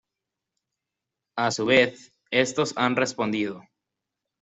A su vez estos han respondido.